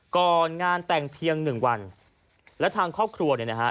ก่อนงานแต่งเพียงหนึ่งวันและทางครอบครัวเนี่ยนะฮะ